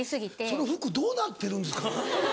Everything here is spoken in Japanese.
その服どうなってるんですか？